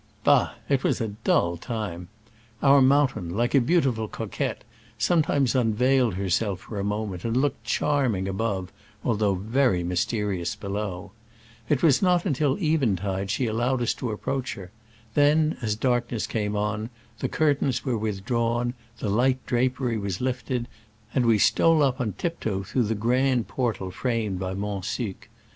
Bah ! it was a dull time. Our moun tain, like a beautiful coquette, some times unveil ed herself f o r a mo m e n t and looked charming above, al though very mysterious below. It was not until eventide she allowed us to ap proach her : then, as darkness came on, ^^^ Hai^» ^/ Digitized by Google lOO SCRAMBLES AMONGST THE ALPS IN i86o '69. the curtains were withdrawn/ the light drapery was hfted, and we stole up on tiptoe through the grand portal framed by Mont Sue.